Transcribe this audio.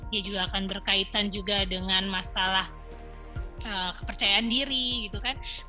dia juga akan berkaitan juga dengan masalah kepercayaan diri gitu kan